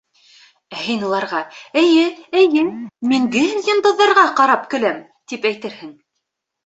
Ә һин уларға: «Эйе, эйе, мин гел йондоҙҙарға ҡарап көләм!» тип әйтерһең.